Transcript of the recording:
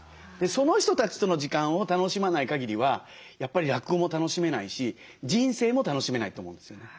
その人たちとの時間を楽しまないかぎりはやっぱり落語も楽しめないし人生も楽しめないと思うんですよね。